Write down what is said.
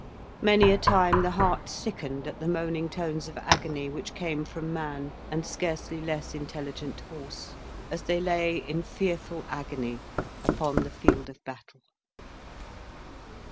Many a time the heart sickened at the moaning tones of agony which came from man and scarcely less intelligent horse, as they lay in fearful agony upon the field of battle.